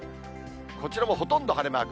こちらもほとんど晴れマーク。